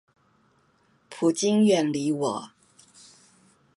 普京遠離我